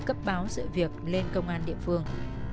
cấp báo sự việc lên công an địa phương